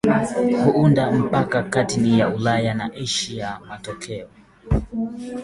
huunda mpaka kati ya Ulaya na Asia Matokeo